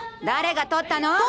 誰が取ったの？